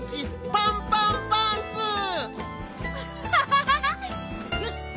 パンパンパンツー。